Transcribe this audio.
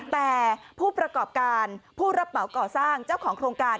แต่ผู้ประกอบการผู้รับเหมาก่อสร้างเจ้าของโครงการ